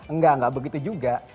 enggak enggak begitu juga